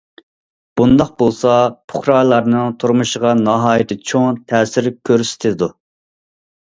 بۇنداق بولسا پۇقرالارنىڭ تۇرمۇشىغا ناھايىتى چوڭ تەسىر كۆرسىتىدۇ.